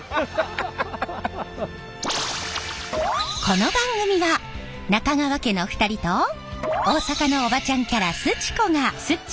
この番組は中川家の２人と大阪のおばちゃんキャラすち子が